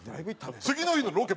次の日のロケ